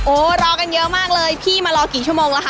รอกันเยอะมากเลยพี่มารอกี่ชั่วโมงแล้วค่ะ